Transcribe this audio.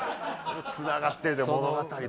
つながってる物語。